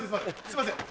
すいません